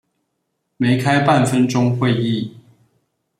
沒開半分鐘會議